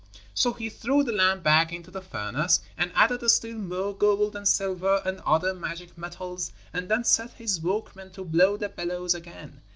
So he threw the lamb back into the furnace and added still more gold and silver and other magic metals, and then set his workmen to blow the bellows again.